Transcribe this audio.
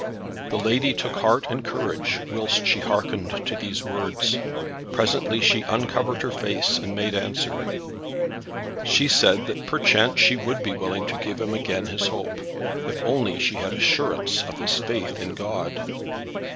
The lady took heart and courage whilst she hearkened to these words. Presently she uncovered her face, and made answer. She said that perchance she would be willing to give him again his hope, if only she had assurance of his faith in God.